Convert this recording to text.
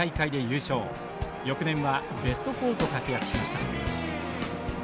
翌年はベスト４と活躍しました。